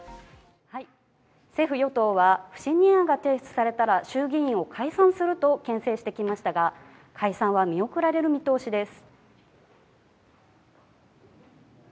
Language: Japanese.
政府与党は不信任案が提出されたら衆議院を解散するとけん制してきましたが、解散は見送られる見通しです。